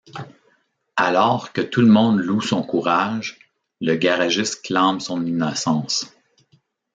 Alors que tout le monde loue son courage, le garagiste clame son innocence...